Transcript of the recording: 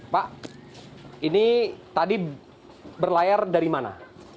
pak ini tadi berlayar dari mana